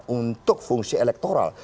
untuk fungsi elektoral